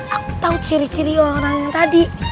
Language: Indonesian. aku tau ciri ciri orang tadi